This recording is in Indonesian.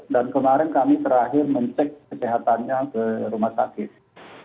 dan kemarin kami terakhir mencek kesehatannya ke rumah sakit